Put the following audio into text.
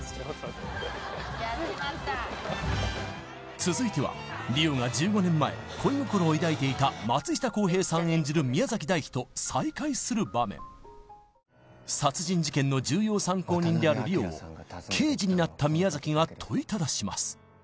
続いては梨央が１５年前恋心を抱いていた松下洸平さん演じる宮崎大輝と再会する場面殺人事件の重要参考人である梨央を刑事になった宮崎が問いただします